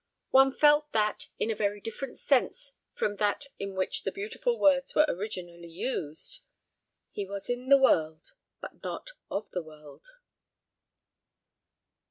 One felt that, in a very different sense from that in which the beautiful words were originally used 'he was in the world, but not of the world.'